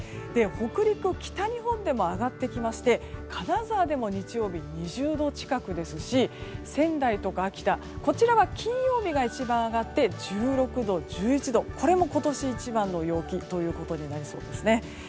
北陸、北日本でも上がってきまして金沢でも日曜日２０度近くですし仙台とか秋田はこちらは金曜日が一番上がって１６度、１１度これも今年一番の陽気となりそうですね。